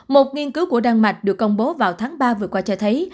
một nghiên cứu của đan mạch được công bố vào tháng ba vừa qua cho thấy